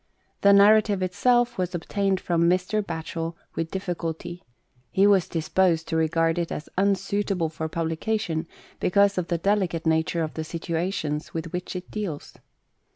The narrative itself was obtained from Mr. Batchel with difficulty: he was disposed to regard it as un suitable for publication because of the delicate nature of the situations with which it deals.